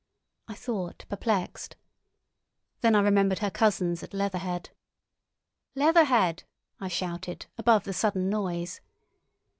I thought perplexed. Then I remembered her cousins at Leatherhead. "Leatherhead!" I shouted above the sudden noise.